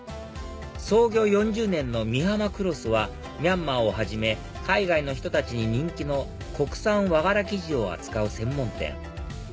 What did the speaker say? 創業４０年のミハマクロスはミャンマーをはじめ海外の人たちに人気の国産和柄生地を扱う専門店